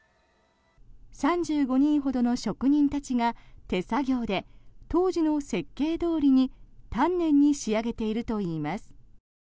３５人ほどの職人たちが手作業で当時の設計どおりに丹念に仕上げているといいます。